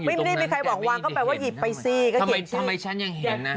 ก็แปลว่าหยิบไปซิทำไมฉันยังเห็นน่ะ